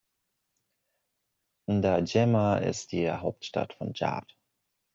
N’Djamena ist die Hauptstadt von Tschad.